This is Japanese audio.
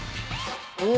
お！